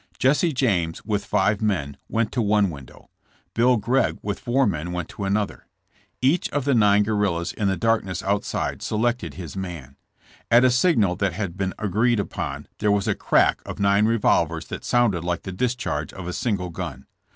Jesse James, with five men, went to one window. Bill Gregg, with four men, went to another. Each of the nine guerrillas in the darkness outside selected his man. At a signal that had been agreed upon there was a crack of nine revolvers that sounded like the discharge of a single gun.